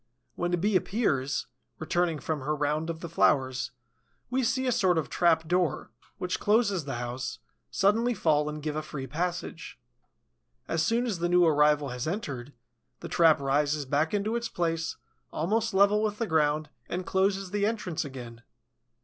When a Bee appears, returning from her round of the flowers, we see a sort of trap door, which closes the house, suddenly fall and give a free passage. As soon as the new arrival has entered, the trap rises back into its place, almost level with the ground, and closes the entrance again.